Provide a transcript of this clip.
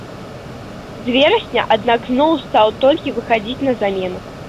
З верасня, аднак, зноў стаў толькі выхадзіць на замену.